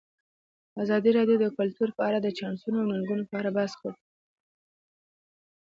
ازادي راډیو د کلتور په اړه د چانسونو او ننګونو په اړه بحث کړی.